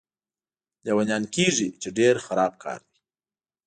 لیونیان کېږي، چې ډېر خراب کار دی.